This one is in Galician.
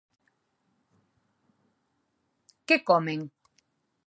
Que comen?